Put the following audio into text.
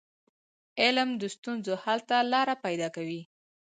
علم د ستونزو حل ته لار پيداکوي.